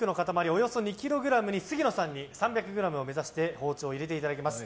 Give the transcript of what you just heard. およそ２ｋｇに杉野さんに３００ｇを目指して包丁を入れていただきます。